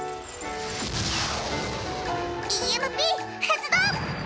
ＥＭＰ発動！